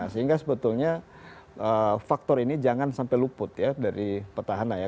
sehingga sebetulnya faktor ini jangan sampai luput ya dari petahana ya